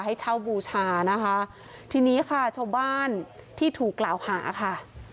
ให้เช่าบูชานะคะทีนี้ค่ะชาวบ้านที่ถูกกล่าวหาค่ะ